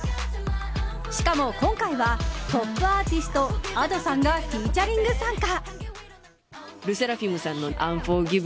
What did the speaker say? しかも、今回はトップアーティストＡｄｏさんがフィーチャリング参加。